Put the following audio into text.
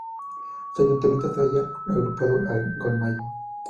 Su ayuntamiento se halla agrupado al de Golmayo.